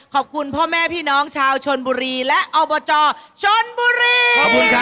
ขอบคุณพ่อแม่พี่น้องชาวชนบุรีและอบจชนบุรีขอบคุณครับ